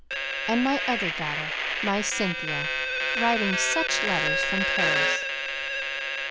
And my other daughter my Cynthia writing such letters from Paris!"